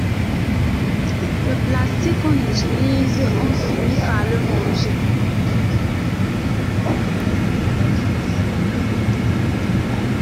Le plastique qu'on utilise, on finit par le manger.